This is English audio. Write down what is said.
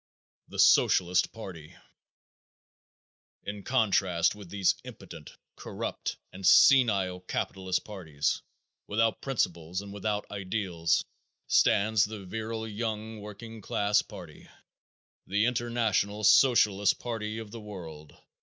The Socialist Party. In contrast with these impotent, corrupt and senile capitalist parties, without principles and without ideals, stands the virile young working class party, the international Socialist party of the world.